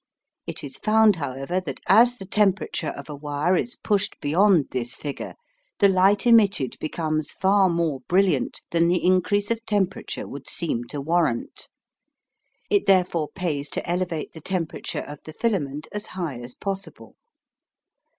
It is found, however, that as the temperature of a wire is pushed beyond this figure the light emitted becomes far more brilliant than the increase of temperature would seem to warrant. It therefore pays to elevate the temperature of the filament as high as possible.